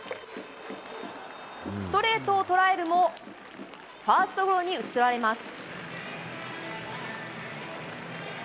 ストレートを捉えるも、ファーストゴロに打ち取られます。